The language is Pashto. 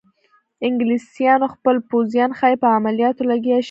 انګلیسیانو خپل پوځیان ښایي په عملیاتو لګیا شي.